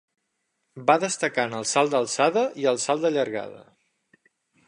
Va destacar en el salt d'alçada i el salt de llargada.